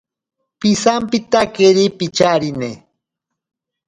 Pisampitakeri picharine.